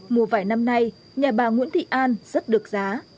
mùa vải năm nay nhà bà nguyễn thị an rất được giá